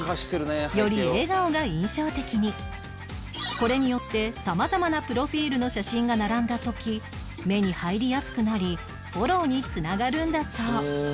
これによって様々なプロフィールの写真が並んだ時目に入りやすくなりフォローに繋がるんだそう